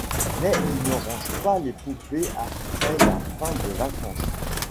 Mais ils ne rangent pas les poupées après la fin des vacances.